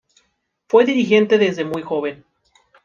Fue dirigente desde muy joven.